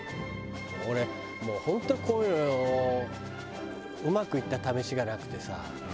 俺もう本当こういうのうまくいった試しがなくてさ。